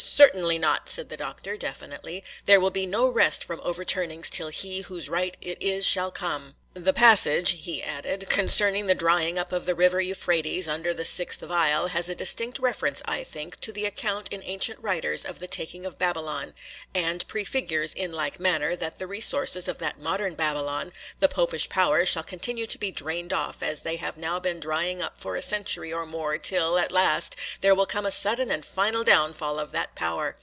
'Certainly not,' said the Doctor, definitively; 'there will be no rest from overturnings till He whose right it is shall come.' 'The passage,' he added, 'concerning the drying up of the river Euphrates, under the sixth vial, has a distinct reference, I think, to the account in ancient writers of the taking of Babylon, and prefigures, in like manner, that the resources of that modern Babylon, the Popish power, shall continue to be drained off, as they have now been drying up for a century or more, till, at last, there will come a sudden and final downfall of that power.